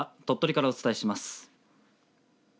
鳥取からお伝えします。